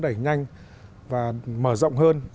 đẩy nhanh và mở rộng hơn